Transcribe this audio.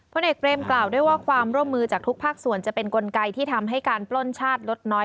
ผลเอกเบรมกล่าวด้วยว่าความร่วมมือจากทุกภาคส่วนจะเป็นกลไกที่ทำให้การปล้นชาติลดน้อย